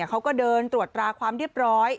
เขาก็เดินตรวจตราความเรียบร้อย